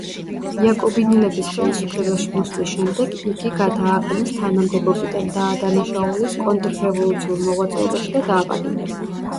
იაკობინელების ხელისუფლებაში მოსვლის შემდეგ იგი გადააყენეს თანამდებობიდან, დაადანაშაულეს კონტრრევოლუციურ მოღვაწეობაში და დააპატიმრეს.